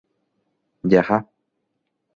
Jaha.